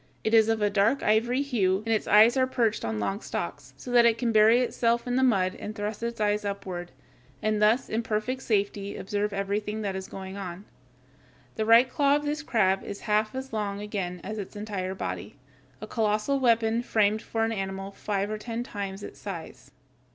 It is of a dark ivory hue, and its eyes are perched on long stalks, so that it can bury itself in the mud and thrust its eyes upward, and thus in perfect safety observe everything that is going on. The right claw of this crab is half as long again as its entire body a colossal weapon framed for an animal five or ten times its size.